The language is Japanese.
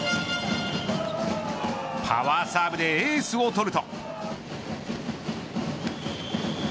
パワーサーブでエースを取ると。